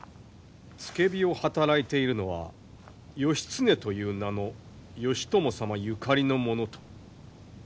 付け火を働いているのは義経という名の義朝様ゆかりの者と。